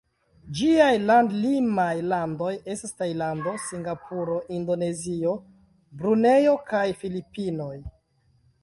Ĝiaj land-limaj landoj estas Tajlando, Singapuro, Indonezio, Brunejo kaj Filipinoj.